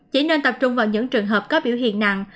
chỉ nên tập trung vào những trường hợp có biểu hiện nặng